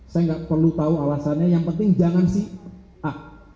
saya nggak perlu tahu alasannya yang penting jangan si a